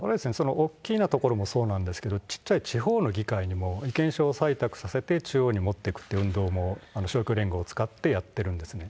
大きなところもそうなんですけど、ちっちゃい地方の議会にもを採択させて、中央に持ってくという運動も、勝共連合を使って、やってるんですね。